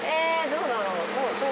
どうだろう